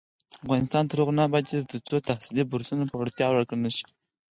افغانستان تر هغو نه ابادیږي، ترڅو تحصیلي بورسونه په وړتیا ورکړل نشي.